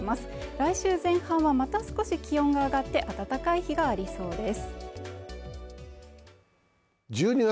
来週前半はまた少し気温が上がって暖かい日がありそうです